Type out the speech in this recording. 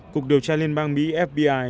cục điều tra liên bang mỹ fbi